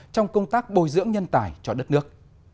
trong công tác bồi dưỡng nhân tài cho đất nước